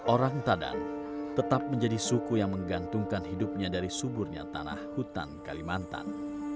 orang tadan tetap menjadi suku yang menggantungkan hidupnya dari suburnya tanah hutan kalimantan